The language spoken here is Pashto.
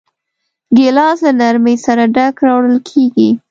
ګیلاس له نرمۍ سره ډک راوړل کېږي.